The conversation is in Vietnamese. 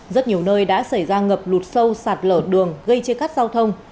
rất nhiều nơi đã xảy ra ngập lụt sâu sạt lở đường gây chia cắt giao thông